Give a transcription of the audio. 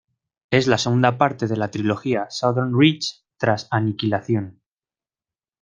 Es la segunda parte de la trilogía "Southern Reach", tras "Aniquilación".